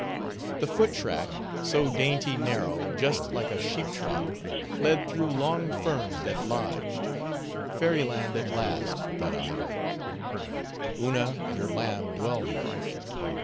The foot track, so dainty narrow, just like a sheep track, led through long ferns that lodged. Fairy land at last, thought I; Una and her lamb dwell here.